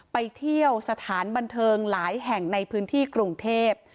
ไปเที่ยวสถานบันเทิงหลายแห่งในพื้นที่กรุงเทพ